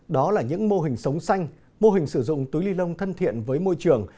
đó là những mô hình sống xanh mô hình sử dụng túi ly lông thân thiện với môi trường